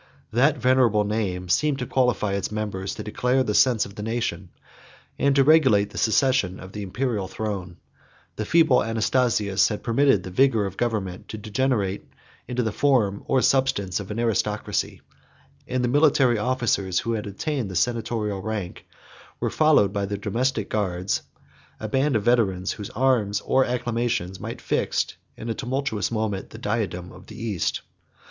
That venerable name seemed to qualify its members to declare the sense of the nation, and to regulate the succession of the Imperial throne: the feeble Anastasius had permitted the vigor of government to degenerate into the form or substance of an aristocracy; and the military officers who had obtained the senatorial rank were followed by their domestic guards, a band of veterans, whose arms or acclamations might fix in a tumultuous moment the diadem of the East.